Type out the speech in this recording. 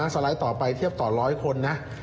สไลด์ต่อไปเทียบต่อ๑๐๐คนนะ